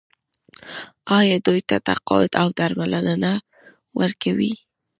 آیا دوی ته تقاعد او درملنه نه ورکوي؟